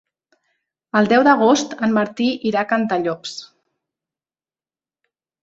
El deu d'agost en Martí irà a Cantallops.